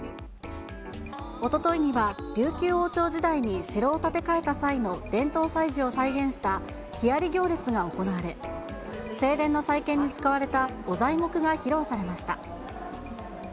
おとといには、琉球王朝時代に、城を建て替えた際の伝統祭事を再現した木遣行列が行われ、正殿の再建に使われた御材木が披露されました。